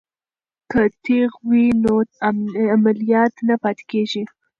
که تیغ وي نو عملیات نه پاتې کیږي.